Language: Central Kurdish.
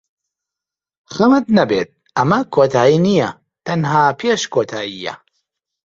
خەمت نەبێت، ئەمە کۆتایی نییە، تەنها پێش کۆتایییە.